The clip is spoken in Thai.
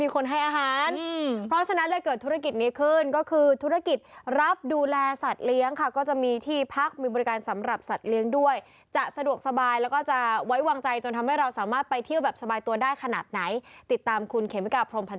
ใครมีสัตว์เลี้ยงเที่ยวลำบากเหลือเกิน